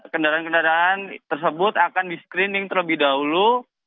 kendaraan kendaraan tersebut akan di screening terlebih dahulu